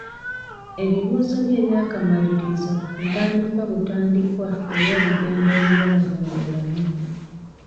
Ebibuuzo byo eby'akamalirizo ntandikwa butandikwa ey'olugendo oluwanvu mu bulamu.